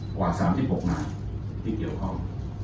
กว่า๓๖นายที่เกี่ยวข้อง